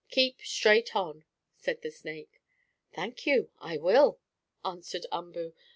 Keep straight on," said the snake. "Thank you, I will," answered Umboo.